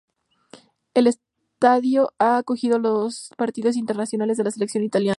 El estadio ha acogido dos partidos internacionales de la selección italiana.